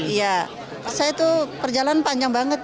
iya saya tuh perjalanan panjang banget